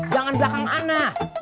jangan belakang ana